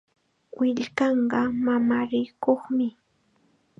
Willkanqa mamanrikuqmi.